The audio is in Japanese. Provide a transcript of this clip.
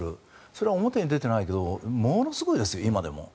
それは表に出ていないけどものすごいですよ、今でも。